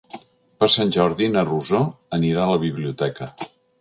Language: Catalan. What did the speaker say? Per Sant Jordi na Rosó anirà a la biblioteca.